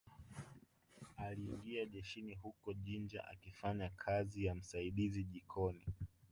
Aliingia jeshini huko Jinja akifanya kazi ya msaidizi jikoni